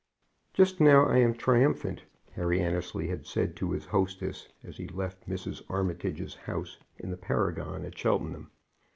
"Just now I am triumphant," Harry Annesley had said to his hostess as he left Mrs. Armitage's house in the Paragon, at Cheltenham.